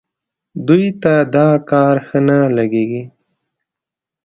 دوی ته دا کار ښه نه لګېږي.